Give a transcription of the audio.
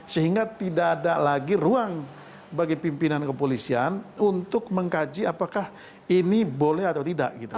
sehingga tidak ada lagi ruang bagi pimpinan kepolisian untuk mengkaji apakah ini boleh atau tidak gitu